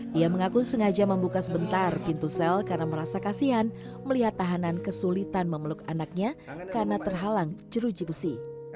dia mengaku sengaja membuka sebentar pintu sel karena merasa kasihan melihat tahanan kesulitan memeluk anaknya karena terhalang jeruji besi